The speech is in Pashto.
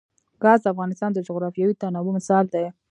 ګاز د افغانستان د جغرافیوي تنوع مثال دی.